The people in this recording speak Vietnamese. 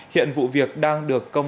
hiện vụ việc đang được